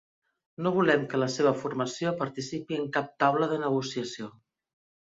No volem que la seva formació participi en cap taula de negociació.